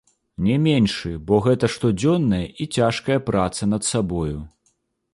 Не меншы, бо гэта штодзённая і цяжкая праца над сабою.